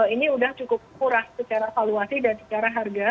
ini sudah cukup murah secara valuasi dan secara harga